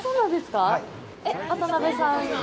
渡辺さん。